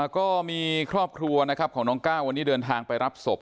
ก็มีครอบครัวนะครับของน้องก้าววันนี้เดินทางไปรับศพ